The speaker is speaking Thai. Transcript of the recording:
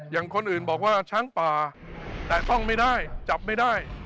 อย่างคนอื่นบอกว่าช้างป่าแตะต้องไม่ได้จับไม่ได้